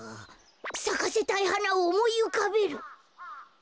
さかせたいはなをおもいうかべる！